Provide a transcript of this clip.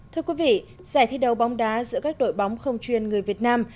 thưa quý vị giải thi đấu bóng đá giữa các đội bóng không chuyên người việt nam